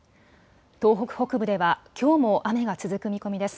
東北北部ではきょうも雨が続く見込みです。